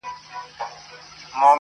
وځان ته بله زنده گي پيدا كړه.